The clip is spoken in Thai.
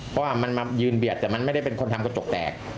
เพราะว่ามันมายืนเบียดแต่มันไม่ได้เป็นคนทำกระจกแตก